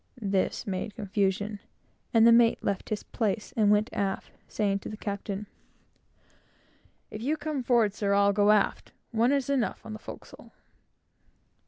This made confusion, and the mate, finding that he was all aback, left his place and went aft, saying to the captain "If you come forward, sir, I'll go aft. One is enough on the forecastle."